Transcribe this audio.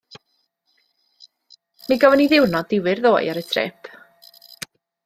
Mi gafon ni ddiwrnod difyr ddoe ar y trip.